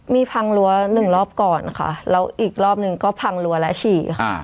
มีพังรั้วหนึ่งรอบก่อนค่ะแล้วอีกรอบหนึ่งก็พังรั้วและฉี่ค่ะ